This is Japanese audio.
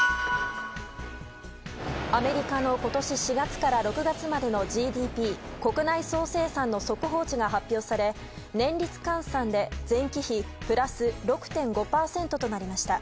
アメリカの今年４月から６月までのＧＤＰ・国内総生産の速報値が発表され年率換算で、前期比プラス６．５％となりました。